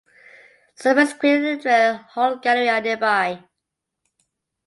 Sullivans Creek and the Drill Hall Gallery are nearby.